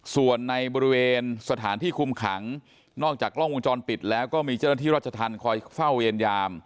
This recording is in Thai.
ส่วนในบริเวณสถานที่คุมขังนอกจากกล้องวงจรปิดแล้วก็มีเจ้าหน้าที่รัชธรรมคอยเฝ้าเวรยาม